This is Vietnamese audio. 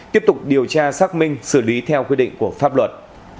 tiếp tục điều tra xác minh xử lý theo quy định của pháp luật